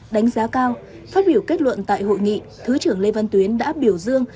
đánh giá cao phát biểu kết luận tại hội nghị thứ trưởng lê văn tuyến đã biểu dương